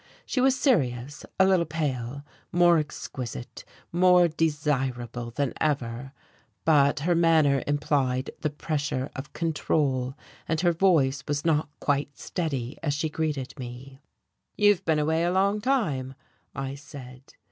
She was serious, a little pale; more exquisite, more desirable than ever; but her manner implied the pressure of control, and her voice was not quite steady as she greeted me. "You've been away a long time," I said.